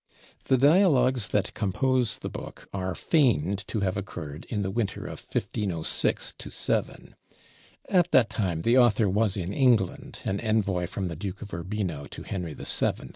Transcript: The dialogues that compose the book are feigned to have occurred in the winter of 1506 7. At that time the author was in England, an envoy from the Duke of Urbino to Henry VII.